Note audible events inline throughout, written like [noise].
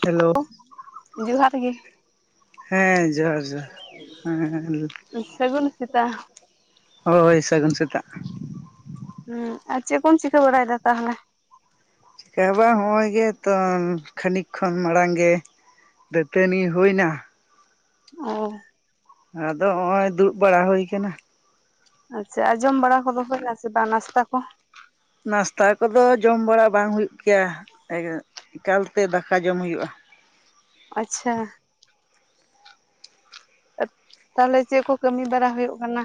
Hello ᱡᱚᱦᱟᱨ ᱜᱮ ᱦᱮᱸ ᱡᱚᱦᱟᱨᱼᱼ [unintelligible] ᱥᱟᱹᱜᱩᱱ ᱥᱮᱛᱟᱜ ᱦᱳᱭ ᱥᱟᱹᱜᱩᱱ ᱥᱮᱛᱟᱜ ᱦᱩᱸ ᱟᱨ ᱪᱮᱫ ᱠᱚᱢ ᱪᱤᱠᱟᱹ ᱵᱟᱲᱟᱭᱮᱫᱟ ᱛᱟᱦᱚᱞᱮ ᱪᱤᱠᱟ ᱵᱟᱝ ᱦᱚᱸᱜᱼᱚᱭ ᱜᱮᱛᱚ ᱠᱷᱟᱹᱱᱤᱠ ᱠᱷᱚᱱ ᱢᱟᱲᱟᱝ ᱜᱮ ᱫᱟᱹᱛᱟᱹᱱᱤ ᱦᱩᱭᱱᱟ? ᱚ ᱟᱫᱚ ᱱᱚᱜ ᱚᱸᱭ ᱫᱩᱲᱩᱵ ᱵᱟᱲᱟ ᱦᱩᱭ ᱟᱠᱟᱱᱟ᱾ ᱟᱪᱪᱷᱟ ᱟᱨ ᱡᱚᱢ ᱵᱟᱲᱟ ᱠᱚᱫᱚ ᱦᱩᱭᱱᱟ ᱥᱮ ᱵᱟᱝ ᱱᱟᱥᱛᱟ ᱠᱚ᱾ ᱱᱟᱥᱛᱟ ᱠᱚᱫᱚ ᱡᱚᱢ ᱵᱟᱲᱟ ᱵᱟᱝ ᱦᱩᱭᱩᱜ ᱜᱮᱭᱟ ᱮᱠᱟᱞᱛᱮ ᱫᱟᱠᱟ ᱡᱚᱢ ᱦᱩᱭᱩᱜᱼᱟ᱾ ᱟᱪᱪᱷᱟ ᱛᱟᱦᱚᱞᱮ ᱪᱮᱫ ᱠᱚ ᱠᱟᱹᱢᱤ ᱵᱟᱲᱟ ᱦᱩᱭᱩᱜ ᱠᱟᱱᱟ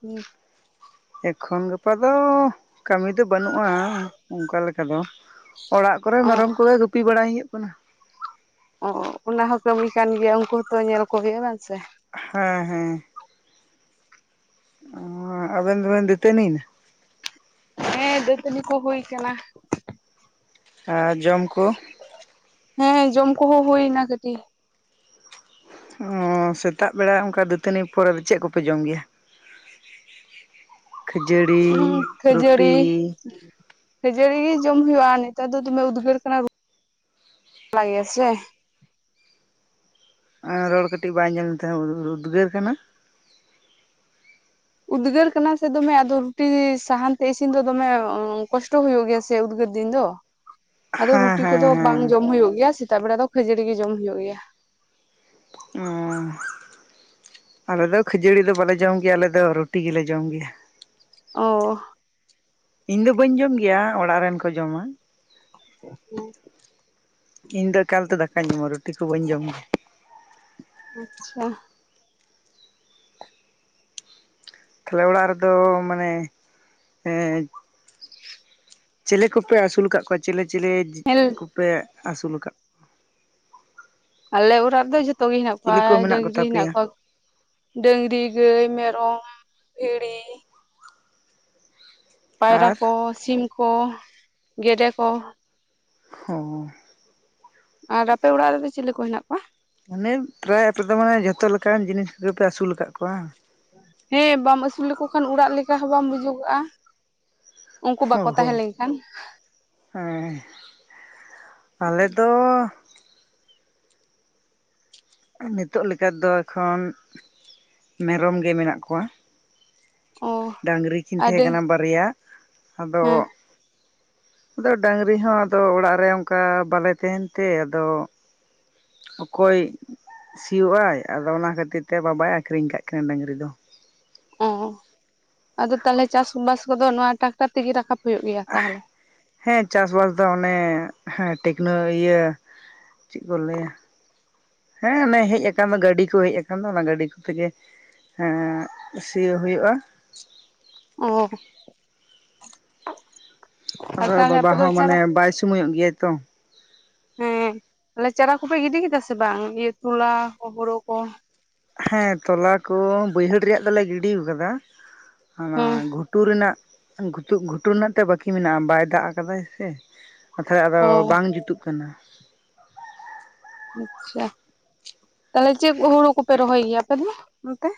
ᱦᱩ? ᱮᱠᱷᱚᱱ ᱜᱟᱯᱟ ᱫᱚ ᱠᱟᱹᱢᱤ ᱫᱚ ᱵᱟᱹᱱᱩᱜᱼᱟ ᱚᱱᱠᱟ ᱞᱮᱠᱟ ᱫᱚ᱾ ᱚᱲᱟᱜ ᱠᱚᱨᱮ ᱚ ᱢᱮᱨᱚᱢ ᱠᱚᱜᱮ ᱜᱩᱯᱤ ᱵᱟᱲᱟᱭ ᱦᱩᱭᱩᱜ ᱠᱟᱱᱟ᱾ ᱚ ᱚᱱᱟ ᱦᱚᱸ ᱠᱟᱹᱢᱤ ᱠᱟᱱ ᱜᱮᱭᱟ ᱩᱱᱠᱩ ᱦᱚᱸᱛᱚ ᱧᱮᱞ ᱠᱚ ᱦᱩᱭᱩᱜᱼᱟ ᱵᱟᱝ ᱥᱮ ᱦᱮᱸ ᱦᱮᱸ ᱚᱸ ᱟᱵᱮᱱ ᱫᱚᱵᱮᱱ ᱫᱟ. ᱛᱟᱹᱱᱤᱭᱮᱱᱟ? ᱦᱮᱸ ᱫᱟᱹᱛᱟᱹᱱᱤ ᱠᱚ ᱦᱩᱭ ᱠᱟᱱᱟ᱾ ᱟᱨ ᱡᱚᱢᱠᱳ ᱦᱮᱸ ᱡᱚᱢ ᱠᱚᱦᱚᱸ ᱦᱩᱭ ᱮᱱᱟ ᱠᱟᱹᱴᱤᱡ ᱚ ᱥᱮᱛᱟᱜ ᱵᱮᱲᱟ ᱚᱝᱠᱟ ᱫᱟᱹᱛᱟᱹᱱᱤ ᱯᱚᱨᱮ ᱫᱚ ᱪᱮᱫ ᱠᱚᱯᱮ ᱡᱚᱢ ᱜᱮᱭᱟ᱾ ᱠᱷᱟᱹᱡᱟᱹᱲᱤ ᱦᱩᱸ ᱨᱩᱴᱤ ᱠᱷᱟᱹᱡᱟᱹᱲᱤ ᱠᱷᱟᱹᱡᱟᱹᱲᱤ ᱜᱮ ᱡᱚᱢ ᱦᱩᱭᱩᱜᱼᱟ ᱱᱮᱛᱟᱨ ᱫᱚ ᱫᱚᱢᱮ ᱩᱫᱽᱜᱟᱹᱨ ᱠᱟᱱᱟ, ᱨᱩ ᱵᱟ ᱜᱮᱭᱟ ᱥᱮ ᱨᱚᱲ ᱠᱟᱹᱴᱤᱡ ᱵᱟᱭ ᱟᱡᱚᱢ ᱞᱮᱱ ᱛᱟᱦᱮᱸ ᱩᱫᱽᱜᱟᱹᱨ ᱠᱟᱱᱟ᱾ ᱩᱫᱽᱜᱟᱹᱨ ᱠᱟᱱᱟ ᱥᱮ ᱫᱚᱢᱮ ᱟᱫᱚ ᱨᱩᱴᱤ ᱥᱟᱦᱟᱱ ᱛᱮ ᱤᱥᱤᱱ ᱫᱚ ᱫᱚᱢᱮ, ᱠᱚᱥᱴᱚ ᱦᱩᱭᱩᱜ ᱜᱮᱭᱟ ᱥᱮ ᱩᱫᱽᱜᱟᱹᱨ ᱫᱤᱱ ᱫᱚ᱾ ᱟᱫᱚ ᱦᱮᱸ ᱨᱩᱴᱤ ᱦᱮᱸ ᱠᱚᱫᱚ ᱵᱟᱝ ᱡᱚᱢ ᱦᱮᱸ ᱦᱩᱭᱩᱜ ᱜᱮᱭᱟ ᱥᱮᱛᱟᱜ ᱵᱮᱲᱟ ᱫᱚ, ᱠᱷᱟᱹᱡᱟᱹᱲᱤ ᱜᱮ ᱡᱚᱢ ᱦᱩᱭᱩᱜ ᱜᱮᱭᱟ᱾ ᱚᱪᱴ [unintelligible] ᱟᱞᱮ ᱫᱚ ᱠᱷᱟᱹᱡᱟᱹᱲᱤ ᱫᱚ ᱵᱟᱞᱮ ᱡᱚᱢ ᱜᱮᱭᱟ, ᱟᱞᱮ ᱫᱚ ᱨᱩᱴᱤ ᱜᱮᱞᱮ ᱡᱚᱢ ᱜᱮᱭᱟ᱾ ᱚᱻ᱾ ᱤᱧ ᱫᱚ ᱵᱟᱹᱧ ᱡᱚᱢ ᱜᱮᱭᱟ ᱚᱲᱟᱜ ᱨᱮᱱ ᱠᱚ ᱡᱚᱢᱟ᱾ [unintelligible] ᱤᱧᱫᱚ ᱮᱠᱟᱞᱛᱮ ᱫᱟᱠᱟᱧ ᱡᱚᱢᱟ ᱨᱩᱴᱤ ᱠᱚ ᱵᱟᱹᱧ ᱡᱚᱢ ᱜᱮᱭᱟ᱾ ᱟᱪᱪᱷᱟ᱾ ᱛᱟᱦᱞᱮ ᱚᱲᱟᱜ ᱨᱮᱫᱚ ᱢᱟᱱᱮ ᱮ ᱪᱤᱞᱮ ᱠᱚᱯᱮ ᱟᱹᱥᱩᱞ ᱠᱟᱜ ᱠᱚᱣᱟ ᱪᱤᱞᱮ ᱪᱤᱞᱮ ᱡᱤᱵ ᱠᱚᱯᱮ ᱟᱹᱥᱩᱞ ᱠᱟᱜ ᱠᱚᱣᱟ? ᱟᱞᱮ ᱚᱲᱟᱜ ᱨᱮᱫᱚ ᱡᱚᱛᱚ ᱜᱮ ᱦᱮᱱᱟᱜ ᱪᱤᱞᱤ ᱠᱚᱣᱟ ᱠᱚ ᱢᱮᱱᱟᱜ ᱰᱟᱹᱝᱨᱤ ᱠᱚᱛᱟ ᱦᱮᱱᱟᱜ ᱯᱮᱭᱟ ᱠᱚᱣᱟ ᱰᱟᱹᱝᱨᱤ, ᱜᱟᱹᱭ, ᱢᱮᱨᱚᱢ, ᱵᱷᱮᱲᱤ ᱯᱟᱭᱨᱟ ᱟᱨ ᱠᱚ, ᱥᱤᱢ ᱠᱚ, ᱜᱮᱰᱮ ᱠᱚ, ᱦᱸ᱾ ᱟᱨ ᱟᱯᱮ ᱚᱲᱟᱜ ᱨᱮᱫᱚ ᱪᱤᱞᱤ ᱠᱚ ᱦᱮᱱᱟᱜ ᱠᱚᱣᱟ? ᱢᱟᱱᱮ ᱯᱮᱨᱟᱭ ᱟᱯᱮᱫᱚ ᱢᱟᱱᱮ ᱡᱷᱚᱛᱚ ᱞᱮᱠᱟᱱ ᱡᱤᱱᱤᱥ ᱠᱚᱜᱮᱯᱮ ᱟᱹᱥᱩᱞ ᱠᱟᱜ ᱠᱚᱣᱟ᱾ ᱦᱮᱸ ᱵᱟᱢ ᱟᱹᱥᱩᱞ ᱞᱮᱠᱚ ᱠᱷᱟᱱ ᱚᱲᱟᱜ ᱞᱮᱠᱟ ᱦᱚᱸ ᱵᱟᱢ ᱵᱩᱡᱚᱜᱚᱜᱼᱟ᱾ ᱩᱝᱠᱩ ᱚ ᱵᱟᱠᱚ ᱦᱚᱸ ᱛᱟᱦᱮᱸ ᱞᱮᱝᱠᱷᱟᱱ᱾ ᱦᱮᱸ ᱟᱞᱮᱫᱚ ᱱᱮᱛᱳᱜ ᱞᱮᱠᱟ ᱫᱚ ᱮᱠᱷᱚᱱ ᱢᱮᱨᱚᱢ ᱜᱮ ᱢᱮᱱᱟᱜ ᱠᱚᱣᱟ᱾ ᱚ ᱰᱟᱝᱨᱤ ᱠᱤᱱ ᱛᱮᱦᱮᱸ ᱟᱹᱰᱤ ᱠᱟᱱᱟ ᱵᱟᱨᱭᱟ ᱟᱫᱚ ᱦᱮᱸ ᱟᱫᱚ ᱰᱟᱹᱝᱨᱤ ᱦᱚᱸ ᱟᱫᱚ ᱚᱲᱟᱜ ᱨᱮ ᱚᱝᱠᱟ ᱵᱟᱞᱮ ᱛᱮᱦᱮᱱ ᱛᱮ ᱟᱫᱚ ᱚᱠᱚᱭ ᱥᱤᱭᱳᱜ ᱟᱭ ᱟᱫᱚ ᱚᱱᱟ ᱠᱷᱟᱹᱛᱤᱨ ᱛᱮ ᱵᱟᱵᱟᱭ ᱟᱠᱷᱨᱤᱧ ᱠᱟᱜ ᱠᱤᱱᱟ ᱰᱟᱹᱝᱨᱤ ᱫᱚ᱾ ᱚ ᱟᱫᱚ ᱛᱟᱦᱚᱞᱮ ᱪᱟᱥ ᱵᱟᱥ ᱠᱚᱫᱚ ᱱᱚᱣᱟ ᱴᱨᱟᱠᱴᱟᱨ ᱛᱮᱜᱮ ᱨᱟᱠᱟᱵ ᱦᱩᱭᱩᱜ ᱜᱮᱭᱟ ᱛᱟᱦᱚᱞᱮ? ᱦᱮᱸ ᱪᱟᱥ ᱵᱟᱥ ᱫᱚ ᱚᱱᱮ ᱴᱮᱠᱱᱳ ᱤᱭᱟᱹ ᱪᱮᱜ ᱠᱚ ᱞᱟᱹᱭᱟ ᱦᱮᱸ ᱚᱱᱮ ᱦᱮᱡ ᱟᱠᱟᱱ ᱫᱚ, ᱜᱟᱹᱰᱤ ᱠᱚ ᱦᱮᱡ ᱟᱠᱟᱱ ᱫᱚ ᱚᱱᱟ ᱜᱟᱹᱰᱤ ᱠᱚᱛᱮᱜᱮ᱾ ᱦᱮᱸ ᱥᱤᱭᱳᱜ ᱦᱳᱭᱳᱜᱼᱟ᱾ ᱚᱸ ᱟᱨ ᱵᱟᱵᱟ ᱦᱚᱸ ᱢᱟᱱᱮ ᱵᱟᱭ ᱥᱳᱢᱚᱭᱚᱜ ᱜᱮᱭᱟᱭ ᱛᱚ᱾ ᱦᱮᱸ ᱛᱟᱦᱚᱞᱮ ᱪᱟᱨᱟ ᱠᱚᱯᱮ ᱜᱤᱰᱤ ᱠᱤᱫᱟ ᱥᱮ ᱵᱟᱝ ᱤᱭᱟᱹ ᱛᱩᱞᱟ ᱦᱚᱸ ᱦᱳᱨᱳ ᱠᱚ? ᱦᱮᱸ ᱛᱚᱞᱟ ᱠᱚ ᱵᱟᱹᱭᱦᱟᱹᱲ ᱨᱮᱭᱟᱜ ᱫᱚᱞᱮ ᱜᱤᱰᱤᱣ ᱠᱟᱫᱟ ᱚᱱᱟ ᱦᱮᱸ ᱜᱷᱩᱴ ᱜᱷᱩᱴᱩ ᱨᱮᱱᱟᱜ ᱜᱷᱩᱪᱩᱜ, ᱜᱷᱩᱴᱩ ᱨᱮᱱᱟᱜ ᱛᱮ ᱵᱟᱠᱤ ᱢᱮᱱᱟᱜᱼᱟ ᱵᱟᱭ ᱫᱟᱜ ᱠᱟᱫᱟᱭ ᱥᱮ᱾ ᱠᱟᱛᱷᱟᱭ ᱟᱫᱚ ᱚ ᱵᱟᱝ ᱡᱩᱛᱩᱜ ᱠᱟᱱᱟ ᱟᱪᱪᱷᱟ ᱛᱟᱦᱟᱞᱮ ᱪᱮᱜ ᱦᱩᱲᱩ ᱠᱚᱯᱮ ᱨᱚᱦᱚᱭ ᱜᱤᱭᱟᱯᱮ ᱫᱚ ᱚᱱᱛᱮ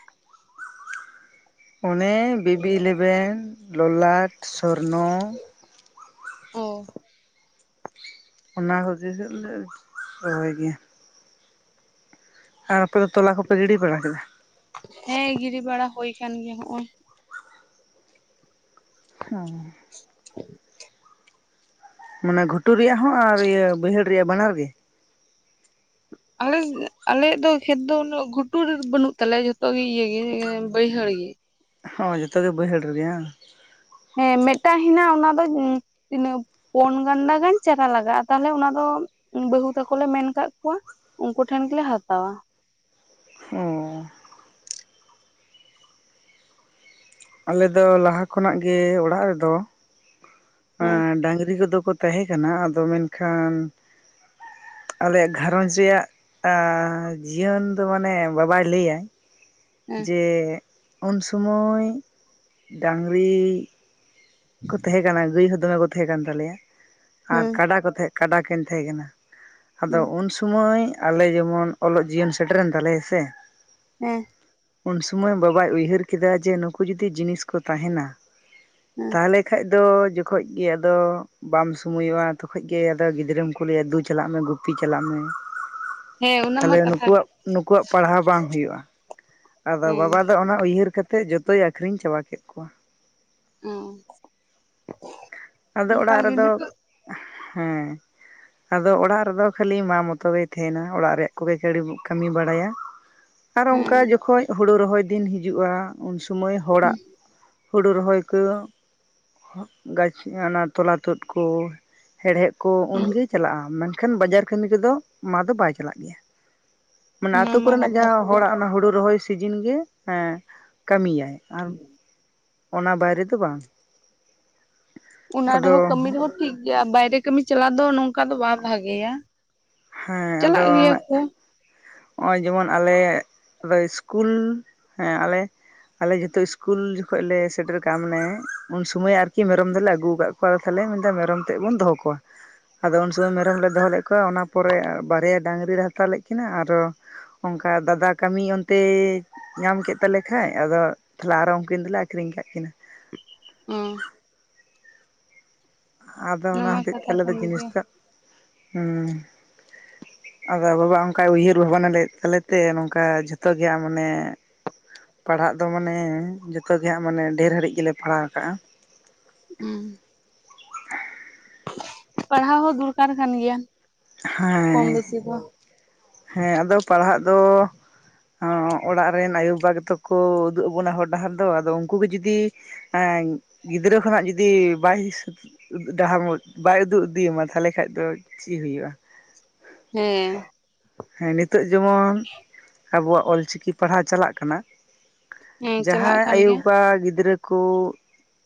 ᱚᱱᱮ ᱵᱤᱵᱤ ᱤᱞᱮᱵᱷᱮᱱ ᱞᱚᱞᱟᱴ ᱥᱚᱨᱱᱚ ᱦᱩᱸ [unintelligible] ᱟᱨ ᱟᱯᱮᱫᱚ ᱛᱚᱞᱟ ᱠᱚᱯᱮ ᱜᱤᱰᱤ ᱵᱟᱲᱟ ᱠᱮᱫᱟ? ᱦᱮᱸ ᱜᱤᱨᱤ ᱵᱟᱲᱟ ᱦᱳᱭ ᱠᱟᱱ ᱜᱮᱭᱟ ᱦᱚᱜᱼᱚᱭ᱾ ᱦᱚᱸ ᱢᱟᱱᱮ ᱜᱷᱩᱴᱩ ᱨᱤᱭᱟᱜ ᱦᱚᱸ, ᱟᱨ ᱤᱭᱟᱹ ᱵᱟᱹᱭᱦᱟᱹᱲ ᱨᱮᱭᱟᱜ ᱵᱟᱱᱟᱨ ᱜᱮ? ᱟᱞᱮᱥ ᱟᱞᱮᱭᱟᱜ ᱫᱚ ᱠᱷᱮᱛ ᱫᱚ ᱩᱱᱟᱹᱜ ᱜᱷᱩᱴᱩ ᱨᱮᱫᱚ ᱵᱟᱹᱱᱩᱜ ᱛᱟᱞᱮᱭᱟ᱾ ᱡᱷᱚᱛᱚ ᱜᱮ ᱤᱭᱟᱹ ᱵᱟᱹᱭᱦᱟᱹᱲ ᱜᱮ ᱦᱚᱭ ᱡᱚᱛᱚᱜᱮ ᱵᱟᱹᱭᱦᱟᱹᱲ ᱨᱮᱜᱮ ᱵᱟᱝ? ᱦᱮᱸ ᱢᱮᱜᱴᱟᱝ ᱦᱮᱱᱟᱜ ᱚᱱᱟ ᱫᱚ ᱛᱤᱱᱟᱹᱜ ᱯᱳᱱ ᱜᱟᱱᱰᱟ ᱜᱟᱱ ᱪᱟᱨᱟ ᱞᱟᱜᱟᱜᱼᱟ᱾ ᱛᱟᱦᱟᱞᱮ ᱚᱱᱟ ᱫᱚ ᱵᱟᱹᱦᱩ ᱛᱟᱠᱚ ᱞᱮ ᱢᱮᱱ ᱠᱟᱜ ᱠᱚᱣᱟ᱾ ᱩᱱᱠᱩ ᱴᱷᱮᱱ ᱜᱮᱞᱮ ᱦᱟᱛᱟᱣᱟ᱾ ᱚᱸᱻ᱾ ᱟᱞᱮ ᱫᱚ ᱞᱟᱦᱟ ᱠᱷᱚᱱᱟᱜ ᱜᱮ ᱚᱲᱟᱜ ᱨᱮᱫᱚ ᱦᱮᱸ ᱮᱸ ᱰᱟᱝᱨᱤ ᱠᱚᱫᱚ ᱠᱚ ᱛᱟᱦᱮᱸ ᱠᱟᱱᱟ ᱟᱫᱚ ᱢᱮᱱᱠᱷᱟᱱ ᱟᱞᱮᱭᱟᱜ ᱜᱷᱟᱨᱚᱸᱡᱽ ᱨᱮᱭᱟᱜ ᱟ ᱡᱤᱭᱚᱱ ᱫᱚ ᱢᱟᱱᱮ ᱵᱟᱵᱟᱭ ᱞᱟᱹᱭᱟᱭ ᱦᱮᱸ ᱡᱮ ᱩᱱ ᱥᱩᱢᱚᱭ ᱰᱟᱝᱨᱤ ᱠᱚ ᱛᱟᱦᱮᱸ ᱠᱟᱱᱟ ᱜᱟᱹᱭ ᱦᱚᱸ ᱫᱚᱢᱮ ᱠᱚ ᱛᱟᱦᱮᱸ ᱠᱟᱱ ᱛᱟᱞᱮᱭᱟ ᱟᱨ ᱦᱮᱸ ᱠᱟᱰᱟ ᱠᱚ ᱛᱟᱦᱮᱸ ᱠᱟᱰᱟᱠᱤᱱ ᱛᱟᱦᱮᱸ ᱠᱟᱱᱟ ᱟᱫᱚ ᱦᱮᱸ ᱩᱱ ᱥᱚᱢᱚᱭ ᱟᱞᱮ ᱡᱮᱢᱚᱱ ᱚᱞᱚᱜ ᱡᱤᱭᱚᱱ ᱥᱮᱴᱮᱨᱮᱱ ᱛᱟᱞᱮᱭᱟ ᱥᱮ ᱦᱮᱸ ᱩᱱᱥᱚᱢᱟᱹᱭ ᱵᱟᱵᱟᱭ ᱩᱭᱦᱟᱹᱨ ᱠᱮᱫᱟ ᱡᱮ ᱱᱩᱠᱩ ᱡᱩᱫᱤ ᱡᱤᱱᱤᱥ ᱠᱚ ᱛᱟᱦᱮᱱᱟ ᱦᱮᱸ ᱛᱟᱦᱞᱮ ᱠᱷᱟᱡ ᱫᱚ ᱡᱚᱠᱷᱚᱡ ᱜᱤ ᱟᱫᱚ ᱵᱟᱢ ᱥᱩᱢᱚᱭᱚᱜᱼᱟ ᱛᱚᱠᱷᱚᱡ ᱜᱮ ᱟᱫᱚ ᱜᱤᱫᱽᱨᱟᱹᱢ ᱠᱳᱞᱮᱭᱟ ᱫᱩ ᱪᱟᱞᱟᱜ ᱢᱮ ᱜᱩᱯᱤ ᱪᱟᱞᱟᱜ ᱢᱮ ᱦᱮᱸ ᱚᱱᱟ ᱢᱟ ᱛᱟᱦᱞᱮ ᱠᱟᱛᱷᱟ ᱱᱩᱠᱩᱣᱟᱜ ᱠᱟᱱ ᱱᱩᱠᱩᱣᱟᱜ ᱯᱟᱲᱦᱟᱣ ᱵᱟᱝ ᱦᱩᱭᱩᱜᱼᱟ ᱟᱫᱚ ᱦᱮᱸ ᱵᱟᱵᱟ ᱫᱚ ᱚᱱᱟ ᱩᱭᱦᱟᱹᱨ ᱠᱟᱛᱮᱫ ᱡᱚᱛᱚᱭ ᱟᱠᱷᱨᱤᱧ ᱪᱟᱵᱟ ᱠᱮᱜ ᱠᱚᱣᱟ ᱚᱸ ᱟᱫᱚ ᱚᱲᱟᱜ ᱨᱮᱫᱚ ᱦᱮᱸ, ᱟᱫᱚ ᱚᱲᱟᱜ ᱨᱮᱫᱚ ᱠᱷᱟᱹᱞᱤ ᱢᱟ ᱢᱚᱛᱚ ᱜᱮ ᱛᱟᱸᱦᱮᱱᱟ ᱚᱲᱟᱜ ᱨᱮᱭᱟᱜ ᱠᱚᱜᱮ ᱠᱟᱹᱢᱤ ᱵᱟᱲᱟᱭᱟ᱾ [inaudible] ᱟᱨ ᱚᱱᱠᱟ ᱡᱚᱠᱷᱚᱡ ᱦᱩᱲᱩ ᱨᱚᱦᱚᱭ ᱫᱤᱱ ᱦᱤᱡᱩᱜᱼᱟ᱾ ᱩᱱ ᱥᱚᱢᱚᱭ ᱦᱚᱲᱟᱜ, ᱦᱩᱲᱩ ᱨᱚᱦᱚᱭ ᱠᱚ ᱜᱟᱹᱪᱷᱤ ᱚᱱᱟ ᱛᱚᱞᱟ ᱛᱩᱫ ᱠᱚ, ᱦᱮᱸᱲᱦᱮᱫ ᱠᱚ ᱩᱱᱜᱮ ᱪᱟᱞᱟᱜᱼᱟ ᱢᱮᱱᱠᱷᱟᱱ ᱵᱟᱡᱟᱨ ᱠᱟᱹᱢᱤ ᱠᱚᱫᱚ ᱢᱟ ᱫᱚ ᱵᱟᱭ ᱪᱟᱞᱟᱜ ᱜᱮᱭᱟ᱾ ᱢᱟᱱᱮ ᱚᱱᱟ ᱟᱹᱛᱩ ᱢᱟ ᱠᱚᱨᱮᱱᱟᱜ ᱠᱟᱛᱷᱟ ᱠᱟᱱ ᱡᱟᱸᱦᱟ ᱜᱮᱭᱟ ᱦᱚᱲᱟᱜ ᱚᱱᱟ ᱦᱩᱲᱩ ᱨᱚᱦᱚᱭ ᱥᱤᱡᱤᱱ ᱜᱮ ᱮ ᱠᱟᱹᱢᱤᱭᱟᱭ, ᱟᱨ [unintelligible] ᱚᱱᱟ ᱵᱟᱭᱨᱮ ᱫᱚ ᱵᱟᱝ, ᱚᱱᱟ ᱟᱫᱚ ᱨᱮᱸᱦᱚ ᱠᱟᱹᱢᱤ ᱨᱮᱸᱦᱚ ᱴᱷᱤᱠ ᱜᱮᱭᱟ ᱵᱟᱭᱨᱮ ᱠᱟᱹᱢᱤ ᱪᱟᱞᱟᱜ ᱫᱚ ᱱᱚᱝᱠᱟ ᱫᱚ ᱵᱟᱭ ᱵᱷᱟᱹᱜᱮᱭᱟ᱾ ᱦᱮᱸ ᱟᱫᱚ, ᱱᱚᱜ-ᱚᱭ ᱡᱮᱢᱚᱱ ᱟᱞᱮ ᱨᱮ ᱥᱠᱩᱞ ᱦᱮᱸ ᱟᱞᱮ ᱟᱞᱮ ᱡᱷᱚᱛᱚ ᱤᱥᱠᱩᱞ ᱡᱚᱠᱷᱚᱡ ᱞᱮ ᱥᱮᱴᱮᱨ ᱠᱟᱜ ᱢᱟᱱᱮ ᱩᱱ ᱥᱩᱢᱟᱹᱭ ᱟᱨᱠᱤ ᱢᱮᱨᱚᱢ ᱫᱚᱞᱮ ᱟᱹᱜᱩ ᱠᱟᱜ ᱠᱚ- ᱣᱟ ᱢᱮᱱᱫᱟ ᱢᱮᱨᱚᱢ ᱛᱮᱜ ᱵᱚᱱ ᱫᱚᱦᱚ ᱠᱚᱣᱟ ᱟᱫᱚ ᱩᱱ ᱥᱚᱢᱚᱭ ᱢᱮᱨᱚᱢ ᱞᱮ ᱫᱚᱦᱚ ᱞᱮᱜ ᱠᱚᱣᱟ ᱚᱱᱟ ᱯᱚᱨᱮ ᱵᱟᱨᱭᱟ ᱰᱟᱹᱟᱝᱨᱤᱨᱮ ᱦᱟᱛᱟᱣ ᱞᱮᱜ ᱠᱤᱱᱟᱹ ᱟᱨᱚ ᱚᱝᱠᱟ ᱫᱟᱫᱟ ᱠᱟᱹᱢᱤ ᱚᱱᱛᱮ ᱧᱟᱢ ᱠᱮᱫ ᱛᱟᱞᱮ ᱠᱷᱟᱡ ᱟᱫᱚ ᱛᱟᱦᱞᱮ ᱟᱨᱚ ᱩᱝᱠᱤᱱ ᱫᱚᱞᱮ ᱟᱠᱷᱨᱤᱧ ᱠᱟᱜ ᱠᱤᱱᱟ ᱦᱩᱸ ᱟᱫᱚ ᱚᱱᱟ ᱢᱟ ᱦᱚᱛᱮᱡ ᱛᱮ ᱠᱟᱛᱷᱟ ᱟᱞᱮ ᱫᱚ ᱠᱟᱱ ᱡᱤᱱᱤᱥ ᱜᱮᱭᱟ ᱴᱟᱜ ᱦᱩᱸ ᱟᱫᱚ ᱵᱟᱵᱟ ᱚᱱᱠᱟ ᱩᱭᱦᱟᱹᱨ ᱵᱷᱟᱵᱽᱱᱟᱮ ᱞᱮᱫ ᱛᱟᱞᱮᱛᱮ ᱱᱚᱝᱠᱟ ᱡᱷᱚᱛᱚ ᱜᱮ ᱮ ᱢᱟᱱᱮ ᱯᱟᱲᱦᱟᱜ ᱫᱚ ᱢᱟᱱᱮ ᱡᱚᱛᱚ ᱜᱮ ᱦᱟᱜ ᱢᱟᱱᱮ ᱰᱷᱮᱨ ᱦᱟᱹᱨᱤᱡ ᱜᱮᱞᱮ ᱯᱟᱲᱦᱟᱣ ᱠᱟᱜᱼᱟ᱾ ᱦᱩᱸ ᱯᱟᱲᱦᱟᱣ ᱦᱚᱸ ᱫᱚᱨᱠᱟᱨ ᱠᱟᱱ ᱜᱮᱭᱟ᱾ ᱦᱮᱸ [unintelligible] ᱦᱮᱸ ᱟᱫᱚ ᱯᱟᱲᱦᱟᱜ ᱫᱚ, ᱚᱲᱟᱜ ᱨᱮᱱ ᱟᱭᱳᱵᱟᱵᱟ ᱜᱮᱛᱚ ᱠᱚ ᱩᱫᱩᱜ ᱟᱵᱚᱱᱟ ᱦᱚᱨ ᱰᱟᱦᱟᱨ ᱫᱚ ᱟᱫᱚ ᱩᱱᱠᱩ ᱜᱮ ᱡᱩᱫᱤ, ᱦᱮᱸ ᱜᱤᱫᱽᱨᱟᱹ ᱠᱷᱚᱱᱟᱜ ᱡᱩᱫᱤ ᱵᱟᱭ ᱥᱩᱨᱩᱜ, [unintelligible] ᱵᱟᱭ ᱩᱫᱩᱜ ᱤᱫᱤᱭᱟᱢᱟ ᱛᱟᱸᱦᱚᱞᱮ ᱠᱷᱟᱱ ᱫᱚ ᱪᱮᱫ ᱦᱩᱭᱩᱜᱼᱟ᱾ ᱦᱮᱸ ᱦᱮᱸ ᱱᱤᱛᱚᱜ ᱡᱮᱢᱚᱱ ᱟᱵᱚᱣᱟᱜ ᱚᱞᱪᱤᱠᱤ ᱯᱟᱲᱦᱟᱣ ᱪᱟᱞᱟᱜ ᱠᱟᱱᱟ᱾ ᱦᱮᱸ ᱪᱟᱞᱟᱜ ᱡᱟᱸᱦᱟᱭ ᱠᱟᱱ ᱟᱭᱳ ᱜᱮᱭᱟ ᱵᱟᱵᱟ ᱜᱤᱫᱽᱨᱟᱹ ᱠᱚ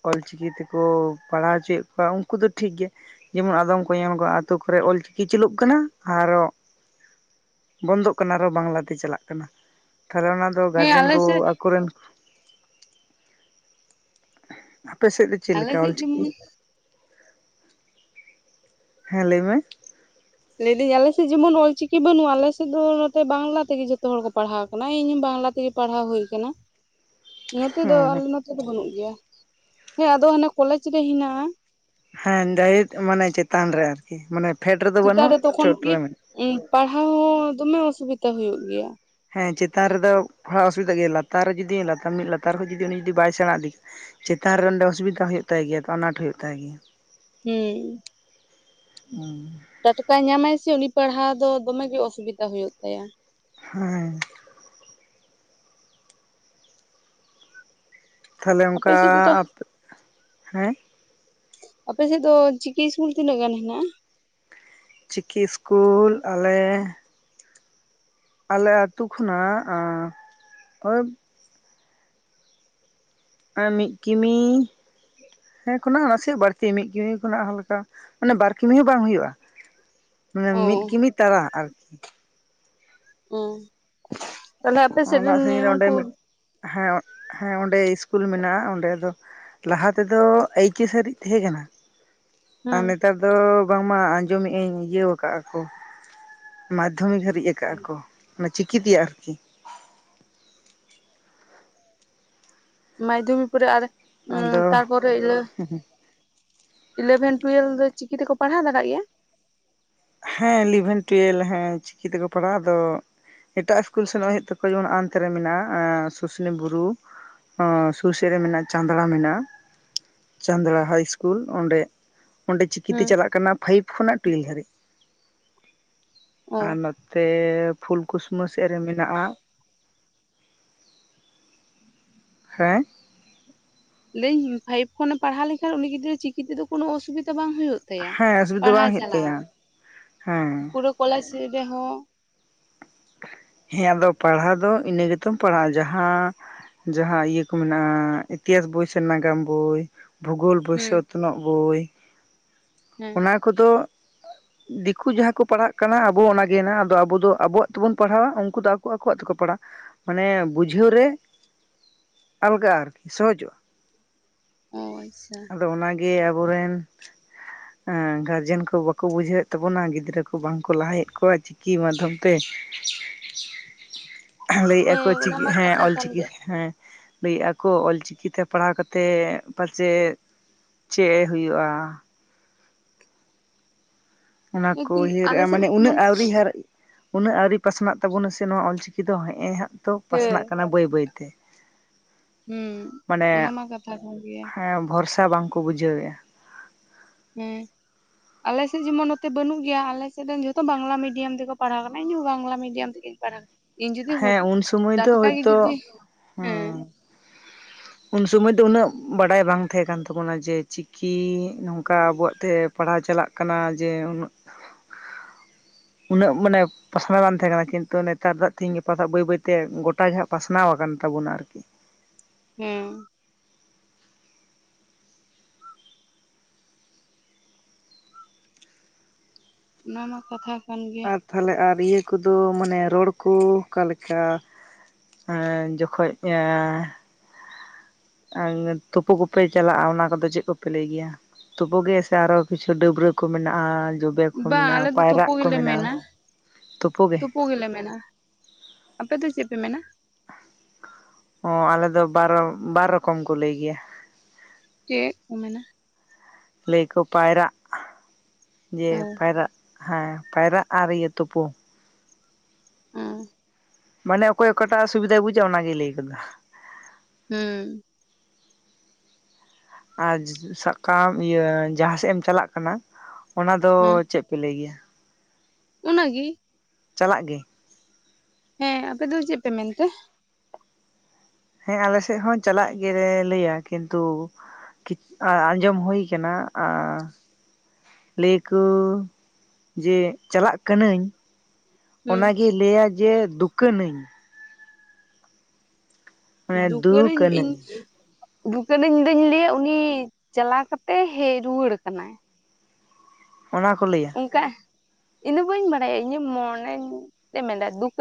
ᱚᱞᱪᱤᱠᱤ ᱛᱮᱠᱚ ᱯᱟᱲᱦᱟᱣ ᱚᱪᱚᱭᱮᱜ ᱠᱚᱣᱟ ᱩᱱᱠᱩ ᱫᱚ ᱴᱷᱤᱠ ᱜᱮᱭᱟ ᱡᱮᱢᱚᱱ ᱟᱫᱚᱢ ᱠᱚ ᱧᱮᱞ ᱠᱚᱢ ᱟᱛᱩ ᱠᱚᱨᱮ ᱚᱞ ᱪᱤᱠᱤ ᱪᱟᱞᱩᱜ ᱠᱟᱱᱟ ᱟᱨᱦᱚᱸ ᱵᱚᱱᱫᱚᱜ ᱠᱟᱱᱟ ᱟᱨᱦᱚᱸ ᱵᱟᱝᱞᱟᱛᱮ ᱪᱟᱞᱟᱜ ᱠᱟᱱᱟ᱾ ᱛᱟᱸᱦᱚᱞᱮ ᱚᱱᱟ ᱫᱚ ᱦᱮᱸ ᱜᱟᱨᱡᱮᱱ ᱟᱞᱮ ᱠᱚ ᱥᱮᱫ ᱟᱠᱚᱨᱮᱱ ᱟᱯᱮ ᱥᱮᱫ ᱪᱮᱫ ᱟᱞᱮ ᱞᱮᱠᱟ ᱥᱮᱡ ᱚᱞᱪᱤᱠᱤ ᱡᱮᱢᱚᱱᱤ, ᱦᱮᱸ ᱞᱟᱹᱭ ᱢᱮ, ᱞᱟᱹᱭᱫᱟᱹᱧ ᱟᱞᱮᱥᱮᱫ ᱡᱮᱢᱚᱱ ᱚᱞ ᱪᱤᱠᱤ ᱵᱟᱹᱱᱩᱜᱼᱟ᱾ ᱟᱞᱮᱥᱮᱫ ᱫᱚ ᱱᱚᱛᱮ ᱵᱟᱝᱞᱟ ᱛᱮᱜᱮ ᱡᱚᱛᱚ ᱦᱚᱲ ᱠᱚ ᱯᱟᱲᱦᱟᱣ ᱟᱠᱟᱱᱟ᱾ ᱤᱧ ᱦᱚᱸ ᱵᱟᱝᱞᱟ ᱛᱮᱜᱮ, ᱯᱟᱲᱦᱟᱣ ᱦᱩᱭ ᱟᱠᱟᱱᱟ᱾ ᱱᱚᱛᱮ ᱫᱚ ᱦᱮᱸ ᱟᱞᱮ ᱱᱚᱛᱮ ᱫᱚ ᱵᱟᱹᱱᱩᱜ ᱜᱮᱭᱟ ᱾ᱦᱮᱸ ᱟᱫᱚ ᱦᱟᱱᱮ ᱠᱚᱞᱮᱡᱽ ᱨᱮ ᱦᱮᱱᱟᱜᱼᱟ᱾ ᱦᱮᱸ ᱡᱟᱭᱦᱩᱠ ᱢᱟᱱᱮ ᱪᱮᱛᱟᱱ ᱨᱮ ᱟᱨᱠᱤ ᱢᱟᱱᱮ ᱯᱷᱮᱰ ᱨᱮᱫᱚ ᱪᱮᱛᱟᱱ ᱵᱟᱹᱱᱩᱜ ᱨᱮ ᱛᱚᱠᱷᱚᱱ ᱪᱚᱴ ᱠᱤ ᱨᱮ ᱢᱮᱱᱟᱜ᱾ ᱯᱟᱲᱦᱟᱣ ᱦᱚᱸ ᱫᱚᱢᱮ ᱚᱥᱩᱵᱤᱫᱟ ᱦᱩᱭᱩᱜ ᱜᱮᱭᱟ᱾ ᱦᱮᱸ ᱪᱮᱛᱟᱱ ᱨᱮᱫᱚ ᱯᱟᱲᱦᱟᱣ ᱚᱥᱩᱵᱤᱫᱟ ᱜᱮᱭᱟ ᱞᱟᱛᱟᱨ ᱨᱮ ᱡᱩᱫᱤ ᱞᱟᱛᱟᱨ ᱢᱤᱫ ᱞᱟᱛᱟᱨ ᱠᱷᱚᱱ ᱡᱩᱫᱤ ᱩᱱᱤ ᱡᱩᱫᱤ ᱵᱟᱭ ᱥᱮᱸᱬᱟ ᱤᱫᱤ ᱠᱟᱜ-ᱟ᱾ ᱪᱮᱛᱟᱱ ᱨᱮ ᱚᱸᱰᱮ ᱚᱥᱩᱵᱤᱫᱟ ᱦᱩᱭᱩᱜ ᱛᱟᱭ ᱜᱮᱭᱟ ᱛᱚ ᱟᱱᱟᱴ ᱦᱩᱭᱩᱜ ᱛᱟᱭ ᱜᱮᱭᱟ᱾ ᱦᱮᱸ ᱦᱚ ᱴᱟᱴᱠᱟᱭ ᱧᱟᱢᱟᱭ ᱥᱮ ᱩᱱᱤ ᱯᱟᱲᱦᱟᱣ ᱫᱚ ᱫᱚᱢᱮ ᱜᱮ ᱚᱥᱩᱵᱤᱫᱟ ᱦᱩᱭᱩᱜ ᱛᱟᱭᱟ᱾ ᱦᱮᱸ ᱛᱟᱦᱚᱞᱮ ᱟᱯᱮ ᱚᱱᱠᱟ ᱥᱮᱡ ᱚᱠᱟ, ᱦᱮᱸ ᱟᱯᱮᱥᱮᱫ ᱫᱚ ᱪᱤᱠᱤ ᱤᱥᱠᱩᱞ ᱛᱤᱱᱟᱹᱜ ᱜᱟᱱ ᱦᱮᱱᱟᱜᱼᱟ᱾ ᱪᱤᱠᱤ ᱤᱥᱠᱩᱞ ᱟᱞᱮ, ᱟᱞᱮ ᱟᱹᱛᱩ ᱠᱷᱚᱱᱟᱜ ᱳᱭ, ᱮᱸ ᱢᱤᱫ ᱠᱤᱢᱤ ᱦᱮᱸ ᱠᱷᱚᱱᱟᱜ ᱱᱟᱥᱮᱭᱟᱜ ᱵᱟᱹᱲᱛᱤ ᱢᱤᱫ ᱠᱤᱢᱤ ᱠᱷᱚᱱᱟᱜ ᱦᱚᱸ ᱢᱤᱫᱴᱟᱝ᱾ ᱢᱟᱱᱮ ᱵᱟᱨ ᱠᱤᱢᱤ ᱦᱚᱸ ᱵᱟᱝ ᱦᱩᱭᱩᱜᱼᱟ᱾ ᱢᱟᱱᱮ ᱢᱤᱫ ᱚ ᱠᱤᱢᱤ ᱛᱟᱨᱟ ᱟᱨᱠᱤ᱾ ᱦᱩᱸ ᱛᱟᱞᱦᱮ ᱟᱯᱮ ᱥᱮᱜ ᱨᱮᱱ ᱚᱱᱟ ᱥᱟᱺᱜᱤᱧ ᱨᱮ ᱱᱮᱭᱚᱢ ᱚᱸᱰᱮ ᱠᱚ ᱢᱤᱫ ᱦᱮᱸ ᱦᱮᱸ ᱚᱸᱰᱮ ᱤᱥᱠᱩᱞ ᱢᱮᱱᱟᱜᱼᱟ ᱚᱸᱰᱮ ᱫᱚ ᱞᱟᱦᱟ ᱛᱮᱫᱚ ᱟᱹᱭᱠᱤᱥ ᱥᱟᱹᱨᱤᱡ ᱛᱟᱦᱮᱸ ᱠᱟᱱᱟ᱾ ᱟᱨ ᱦᱮᱸ ᱱᱮᱛᱟᱨ ᱫᱚ ᱵᱟᱝᱢᱟ ᱟᱸᱡᱚᱢᱮᱜ ᱟᱹᱧ ᱤᱭᱟᱹ ᱣᱟᱠᱟᱜᱼᱟ ᱠᱚ᱾ ᱢᱟᱫᱽᱫᱷᱚᱢᱤᱠ ᱦᱟᱹᱨᱤᱡ ᱟᱠᱟᱫᱼᱟ ᱠᱚ ᱚᱱᱟ ᱪᱤᱠᱤᱛᱮᱭᱟᱜ ᱟᱨᱠᱤ᱾ ᱢᱟᱭᱫᱷᱚᱢᱤ ᱯᱚᱨᱮ ᱟᱨ ᱟᱫᱚ ᱛᱟᱨᱯᱚᱨᱮ ᱤᱞᱟᱹ ᱤᱞᱮᱵᱷᱮᱱ ᱴᱩᱭᱮᱞ ᱫᱚ ᱪᱤᱠᱤ ᱛᱮᱠᱚ ᱯᱟᱲᱦᱟᱣ ᱫᱟᱲᱟᱜ ᱜᱮᱭᱟ? ᱦᱮᱸ ᱤᱞᱤᱵᱷᱮᱱ ᱴᱩᱭᱮᱞ ᱦᱮᱸ ᱪᱤᱠᱤ ᱛᱮᱠᱚ ᱯᱟᱲᱦᱟᱜ ᱟᱫᱚ ᱮᱴᱟᱜ ᱤᱥᱠᱩᱞ ᱥᱮᱱᱚᱜ ᱦᱩᱭᱩᱜ ᱛᱟᱠᱚᱣᱟ ᱡᱮᱢᱚᱱ ᱱᱟᱜ-ᱟᱭ ᱱᱟᱱᱛᱮᱨᱮ ᱢᱮᱱᱟᱜ-ᱟ, ᱥᱩᱥᱱᱤ ᱵᱩᱨᱩ᱾ ᱥᱩᱨ ᱥᱮᱫ ᱨᱮ ᱢᱮᱱᱟᱜᱼᱟ ᱪᱟᱸᱫᱽᱲᱟ ᱢᱮᱱᱟᱜᱼᱟ᱾ ᱪᱟᱸᱫᱽᱲᱟ ᱦᱟᱭ ᱤᱥᱠᱩᱞ ᱚᱸᱰᱮ, ᱚᱸᱰᱮ ᱪᱤᱠᱤᱛᱮ ᱦᱮᱸ ᱪᱟᱞᱟᱜ ᱠᱟᱱᱟ ᱯᱷᱟᱭᱤᱵᱽ ᱠᱷᱚᱱᱟᱜ ᱴᱩᱭᱮᱞ ᱫᱷᱟᱹᱨᱤᱡ᱾ ᱚ ᱟᱨ ᱱᱚᱛᱮ ᱯᱷᱩᱞᱠᱩᱥᱢᱟᱹ ᱥᱮᱫ ᱨᱮ ᱢᱮᱱᱟᱜᱼᱟ᱾ ᱦᱮᱸ᱾ ᱞᱟᱹᱭᱟᱹᱧ ᱯᱷᱟᱭᱤᱯ ᱠᱷᱚᱱᱮ ᱯᱟᱲᱦᱟᱣ ᱞᱮᱠᱷᱟᱱ ᱩᱱᱤ ᱜᱤᱫᱽᱨᱟᱹ ᱪᱤᱠᱤ ᱛᱮᱫᱚ ᱠᱳᱱᱳ ᱚᱥᱩᱵᱤᱛᱟ ᱵᱟᱝ ᱦᱩᱭᱩᱜ? ᱦᱮᱸ ᱚᱥᱩᱵᱤᱫᱷᱟ ᱯᱟᱲᱦᱟᱣ ᱵᱟᱝ ᱦᱩᱭᱩᱜ ᱪᱟᱞᱟᱣ ᱛᱟᱭᱟ ᱦᱮᱸ ᱯᱩᱨᱟᱹ ᱠᱚᱞᱮᱡᱽ ᱨᱮᱦᱚᱸ᱾ ᱦᱮᱸ ᱟᱫᱚ ᱯᱟᱲᱦᱟᱣ ᱫᱚ ᱤᱱᱟᱹ ᱜᱮᱛᱚᱢ ᱯᱟᱲᱦᱟᱜᱼᱟ ᱡᱟᱦᱟᱸ᱾ ᱡᱟᱦᱟᱸ ᱤᱭᱟᱹ ᱠᱚ ᱢᱮᱱᱟᱜᱼᱟ ᱤᱛᱤᱦᱟᱥ ᱵᱳᱭ ᱥᱮ ᱱᱟᱜᱟᱢ ᱵᱳᱭ᱾ ᱵᱷᱩᱜᱳᱞ ᱦᱮᱸ ᱵᱚᱭᱥᱚᱛᱱᱚᱜ ᱵᱳᱭ, ᱦᱮᱸ ᱚᱱᱟ ᱠᱚ᱾ ᱫᱚ ᱫᱤᱠᱩ ᱡᱟᱦᱟᱸ ᱠᱚ ᱯᱟᱲᱦᱟᱜ ᱠᱟᱱᱟ ᱟᱵᱚ ᱚᱱᱟᱜᱮᱱᱟᱜ ᱟᱫᱚ ᱟᱵᱚ ᱫᱚ ᱟᱵᱚᱣᱟᱜ ᱛᱮᱵᱩᱱ ᱯᱟᱲᱦᱟᱣᱟ ᱩᱱᱠᱩ ᱫᱚ ᱟᱠᱚ ᱟᱠᱚᱣᱟᱜ ᱛᱮᱠᱚ ᱯᱟᱲᱟᱜ᱾ ᱢᱟᱱᱮ ᱵᱩᱡᱷᱟᱹᱣ ᱨᱮ ᱟᱞᱜᱟᱜᱼᱟ ᱟᱨᱠᱤ, ᱥᱚᱦᱚᱡᱚᱜᱼᱟ᱾ ᱚ ᱟᱪᱪᱷᱟ᱾ ᱟᱫᱚ ᱚᱱᱟᱜᱤ ᱟᱵᱚᱨᱮᱱ ᱜᱟᱨᱡᱮᱱ ᱠᱚ ᱵᱟᱠᱚ ᱵᱩᱡᱷᱟᱹᱣᱮᱫ ᱛᱟᱵᱚᱱᱟ ᱜᱤᱫᱽᱨᱟᱹ ᱠᱚ ᱵᱟᱝᱠᱚ ᱞᱟᱦᱟᱭᱮᱫ ᱠᱚᱣᱟ ᱪᱤᱠᱤ ᱢᱟᱫᱽᱫᱷᱚᱢ ᱛᱮ᱾ ᱞᱟᱹᱭᱮᱫᱼᱟ ᱠᱚ ᱦᱮᱸ ᱪᱤ ᱚᱱᱟ ᱢᱟ ᱦᱮᱸ ᱠᱟᱛᱷᱟ ᱠᱟᱱ ᱚᱞᱪᱤᱠᱤ ᱜᱮᱭᱟ ᱦᱮᱸ᱾ ᱞᱟᱹᱭᱮᱫ ᱟᱠᱚ ᱚᱞᱪᱤᱠᱤ ᱛᱮ ᱯᱟᱲᱦᱟᱣ ᱠᱟᱛᱮᱫ ᱯᱟᱪᱮᱫ, ᱪᱮᱜ ᱮ ᱦᱩᱭᱩᱜᱼᱟ᱾ ᱚᱱᱟ ᱠᱚ ᱞᱮᱠᱤᱱ ᱟᱞᱮ ᱩᱭᱦᱟᱹᱨᱮᱫᱼᱟ ᱥᱮᱫ ᱢᱟᱱᱮ ᱩᱱᱟᱹᱜ ᱡᱮᱢᱚᱱ ᱟᱹᱣᱨᱤ ᱦᱟᱨᱼᱼ ᱩᱱᱟᱹᱜ ᱟᱹᱣᱨᱤ ᱯᱟᱥᱱᱟᱜ ᱛᱟᱵᱩᱱᱟᱥᱮ ᱱᱚᱣᱟ ᱚᱞᱪᱤᱠᱤ ᱫᱚ ᱦᱮᱸᱜᱼ ᱮ ᱦᱟᱸᱜ ᱛᱚ ᱦᱮᱸ ᱯᱟᱥᱱᱟᱜ ᱠᱟᱱᱟ ᱵᱟᱹᱭ ᱵᱟᱹᱭᱛᱮ᱾ ᱦᱩᱸ ᱢᱟᱱᱮ, ᱚᱱᱟ ᱢᱟ ᱠᱟᱛᱷᱟ ᱠᱟᱱ ᱜᱮᱭᱟ ᱦᱮᱸ ᱵᱷᱚᱨᱥᱟ ᱵᱟᱝᱠᱚ ᱵᱩᱡᱷᱟᱹᱣᱮᱜᱼᱟ᱾ ᱦᱩᱸ᱾ ᱟᱞᱮ ᱥᱮᱜ ᱡᱮᱢᱚᱱ ᱱᱚᱛᱮ ᱵᱟᱹᱱᱩᱜ ᱜᱮᱭᱟ ᱟᱞᱮᱥᱮᱫ ᱨᱮᱱ ᱡᱚᱛᱚ ᱵᱟᱝᱞᱟ ᱢᱤᱰᱤᱭᱟᱢ ᱛᱮᱠᱚ ᱯᱟᱲᱦᱟᱣ ᱟᱠᱟᱱᱟ ᱤᱧ ᱦᱚᱸ ᱵᱟᱝᱞᱟ ᱢᱤᱰᱤᱭᱟᱢ ᱛᱮᱜᱮᱧ ᱯᱟᱲᱦᱟᱣ ᱟᱠᱟᱱᱟ᱾ ᱤᱧ ᱡᱩᱫᱤ ᱦᱚᱫ ᱦᱮᱸ ᱩᱱ ᱥᱚᱢᱚᱭ ᱫᱚ ᱴᱟᱴᱠᱟ ᱜᱮ ᱡᱩᱫᱤ, ᱦᱳᱭᱛᱳ ᱦᱮᱸ᱾ ᱩᱱ ᱥᱩᱢᱚᱭ ᱫᱚ ᱩᱱᱟᱹᱜ ᱵᱟᱰᱟᱭ ᱵᱟᱝ ᱛᱟᱦᱮᱸ ᱠᱟᱱ ᱛᱟᱵᱚᱱᱟ, ᱡᱮ ᱪᱤᱠᱤ ᱱᱚᱝᱠᱟ ᱟᱵᱚᱣᱟᱜ ᱛᱮ ᱯᱟᱲᱦᱟᱣ ᱪᱟᱞᱟᱜ ᱠᱟᱱᱟ ᱡᱮ ᱩᱱᱟᱹᱜ ᱩᱱᱟᱹᱜ ᱢᱟᱱᱮ ᱯᱟᱥᱱᱟᱣ ᱵᱟᱝ ᱛᱟᱦᱮᱸ ᱠᱟᱱᱟ ᱠᱤᱱᱛᱩ ᱱᱮᱛᱟᱨ ᱫᱚ ᱛᱤᱦᱤᱧ ᱜᱟᱯᱟ ᱫᱚ ᱵᱟᱹᱭ ᱵᱟᱹᱭᱛᱮ ᱜᱚᱴᱟᱜ ᱜᱮᱦᱸᱟᱜ ᱯᱟᱥᱱᱟᱣ ᱟᱠᱟᱱ ᱛᱟᱵᱚᱱᱟ ᱟᱨᱠᱤ᱾ ᱦᱩᱸ᱾ ᱚᱱᱟ ᱢᱟ ᱠᱟᱛᱷᱟ ᱠᱟᱱ ᱜᱮᱭᱟ᱾ ᱟᱨ ᱛᱟᱦᱚᱞᱮ ᱟᱨ ᱤᱭᱟᱹ ᱠᱩᱫᱩ ᱢᱟᱱᱮ ᱨᱚᱲ ᱠᱚ ᱚᱠᱟᱞᱮᱠᱟ? ᱮᱸ ᱡᱚᱠᱷᱚᱡ ᱮᱸᱻ ᱟ ᱱᱮ ᱛᱩᱯᱩᱜ ᱠᱚᱯᱮ ᱪᱟᱞᱟᱜᱼᱟ ᱚᱱᱟ ᱠᱚᱫᱚ ᱪᱮᱫ ᱠᱚᱯᱮ ᱞᱟᱹᱭ ᱜᱮᱭᱟ? ᱛᱳᱯᱳ ᱜᱮ ᱥᱮ ᱟᱨᱦᱚ ᱠᱤᱪᱷᱩ ᱰᱟᱹᱵᱽᱨᱟᱹ ᱠᱚ ᱢᱮᱱᱟᱜᱼᱟ? ᱡᱚᱵ ᱵᱮ ᱠᱚ ᱵᱟᱝ ᱢᱮᱱᱟᱜᱼᱟ, ᱟᱞᱮ ᱫᱚ ᱛᱩᱯᱩ ᱯᱟᱭᱨᱟᱜ ᱠᱚ ᱢᱮᱱᱟᱜᱼᱟ, ᱛᱩᱯᱩᱜ ᱜᱮ᱾ ᱠᱩ ᱜᱮᱞᱮ ᱢᱮᱱᱟ᱾ ᱟᱯᱮ ᱫᱚ ᱪᱮᱫ ᱯᱮ ᱢᱮᱱᱟ? ᱚ ᱟᱞᱮ ᱫᱚ ᱵᱟᱨᱚ ᱵᱟᱨ ᱨᱚᱠᱚᱢ ᱠᱚ ᱞᱟᱹᱭ ᱜᱮᱭᱟ ᱾ ᱪᱮᱫ ᱠᱚ ᱢᱮᱱᱟ? ᱞᱟᱹᱭᱠᱚ ᱯᱟᱭᱨᱟᱜ ᱡᱮ ᱚ ᱯᱟᱭᱨᱟᱜ ᱦᱮᱸ ᱯᱟᱭᱨᱟᱜ ᱟᱨ ᱤᱭᱟᱹ ᱛᱩᱯᱩ ᱾ ᱦᱩᱸ ᱢᱟᱱᱮ ᱚᱠᱚᱭ ᱚᱠᱟᱴᱟᱜ ᱥᱩᱵᱤᱫᱷᱟᱭ ᱵᱩᱡᱟ ᱚᱱᱟᱜᱮᱭ ᱞᱟᱹᱭ ᱠᱟᱫᱟ ᱾ ᱦᱩᱸ ᱟᱨ ᱥᱟᱵᱽ ᱠᱟᱜ ᱟᱢ ᱤᱭᱟᱹ ᱡᱟᱦᱟᱸ ᱥᱮᱫ ᱮᱢ ᱪᱟᱞᱟᱜ ᱠᱟᱱᱟ, ᱚᱱᱟ ᱫᱚ ᱪᱮᱫ? ᱯᱮ ᱞᱟᱹᱭ ᱜᱮᱭᱟ? ᱚᱱᱟᱜᱤ ᱾ ᱪᱟᱞᱟᱜ ᱜᱤᱧ ᱦᱮᱸ ᱟᱯᱮ ᱫᱚ ᱪᱮᱫ ᱯᱮ ᱢᱮᱱᱛᱮ? ᱦᱮᱸ ᱟᱞᱮ ᱥᱮᱫ ᱦᱚᱸ ᱪᱟᱞᱟᱜ ᱜᱮᱞᱮ ᱞᱟᱹᱭᱟ, ᱠᱤᱱᱛᱩ ᱟᱸᱡᱚᱢ ᱦᱩᱭᱩ ᱠᱟᱱᱟ᱾ ᱟᱸ ᱞᱟᱹᱭ ᱟᱠᱩ ᱡᱮ ᱪᱟᱞᱟᱜ ᱠᱟᱹᱱᱟᱹᱧ᱾ ᱦᱩᱸ ᱚᱱᱟᱜᱮ ᱜᱤ ᱞᱟᱹᱭᱟ ᱟᱭ. ᱡᱮ ᱫᱩᱠᱟᱹᱱᱹᱧ᱾ ᱢᱟᱱᱮ ᱫᱩᱠ ᱫᱩᱠᱟᱹᱨᱟᱹᱧ ᱤᱧ ᱟᱹᱱᱟᱹᱧ [unintelligible] ᱤᱧᱫᱩᱧ ᱞᱟᱹᱭᱟ ᱩᱱᱤ ᱪᱟᱞᱟᱣ ᱠᱟᱛᱮᱫ ᱦᱮᱡ ᱨᱩᱣᱟᱹᱲ ᱠᱟᱱᱟᱭ ᱾ ᱚᱱᱟ ᱠᱚ ᱞᱟᱹᱭᱟ? ᱚᱱᱠᱟ ᱤᱧᱫᱚ ᱵᱟᱹᱧ ᱵᱟᱲᱟᱭᱟ ᱤᱧᱟᱹᱜ ᱢᱚᱱᱮᱧ ᱛᱮ ᱢᱮᱱᱫᱟ ᱫᱩᱠ